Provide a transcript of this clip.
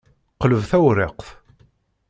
Qleb tawṛiqt.